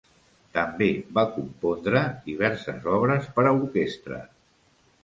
També va compondre diverses obres per a orquestra.